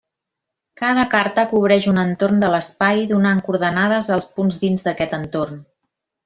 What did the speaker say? Cada carta cobreix un entorn de l'espai donant coordenades als punts dins d'aquest entorn.